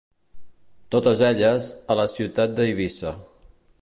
Totes elles, a la ciutat d'Eivissa.